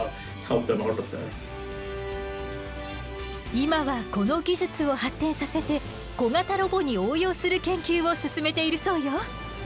今はこの技術を発展させて小型ロボに応用する研究を進めているそうよ。